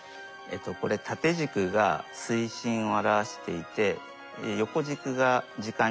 これ縦軸が水深を表していて横軸が時間経過です。